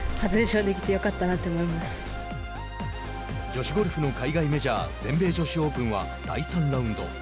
女子ゴルフの海外メジャー全米女子オープンは第３ラウンド。